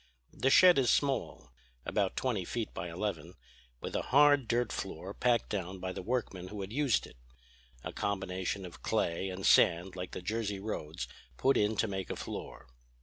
The shed is small, about twenty feet by eleven, with a hard dirt floor packed down by the workmen who had used it; a combination of clay and sand like the Jersey roads put in to make a floor.